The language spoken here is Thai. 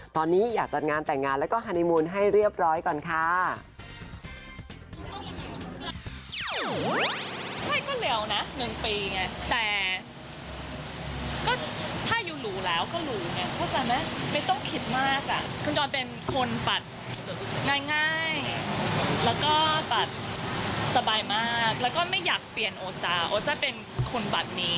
ตอนนี้อยากจัดงานแต่งงานแล้วก็ฮานีมูลให้เรียบร้อยก่อนค่ะ